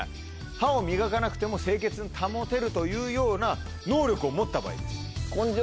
歯を磨かなくても清潔に保てるというような能力を持った場合です。